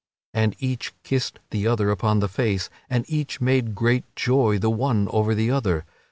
And each kissed the other upon the face, and each made great joy the one over the other.